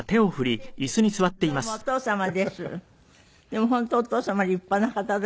でも本当お父様立派な方ですね